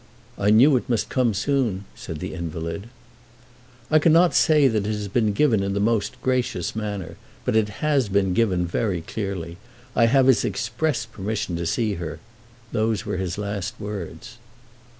"I knew it must come soon," said the invalid. "I cannot say that it has been given in the most gracious manner, but it has been given very clearly. I have his express permission to see her. Those were his last words."